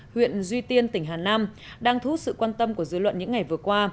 huyện duy tiên tỉnh hà nam đang thú sự quan tâm của dư luận những ngày vừa qua